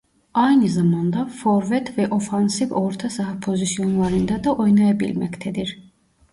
Aynı zamanda forvet ve Ofansif orta saha pozisyonlarında da oynayabilmektedir.